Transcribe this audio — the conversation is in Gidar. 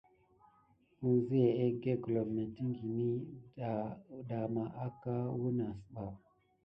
Ənzia egge gulom mettiŋgini daha mà aka wune asba.